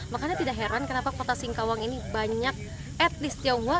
makanya tidak heran kenapa kota singkawang ini banyak etnis tionghoa